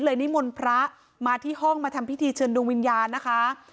เลยนิมลพระมาที่ห้องทำพิธีเชิญดวิญญาณนะคะ